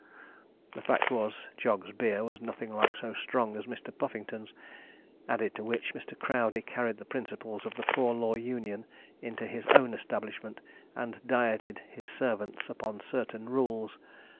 The fact was, Jog's beer was nothing like so strong as Mr. Puffington's; added to which, Mr. Crowdey carried the principles of the poor law union into his own establishment, and dieted his servants upon certain rules.